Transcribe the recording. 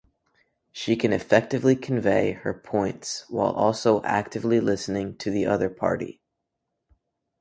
She can effectively convey her points while also actively listening to the other party.